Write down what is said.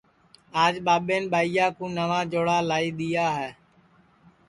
آج ٻاٻین ٻائیا کُو نئوا چھوا لائی دؔیا ہے